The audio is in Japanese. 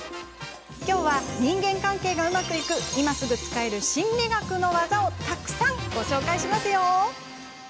きょうは人間関係がうまくいく今すぐ使える心理学の技をたくさんご紹介しますよ。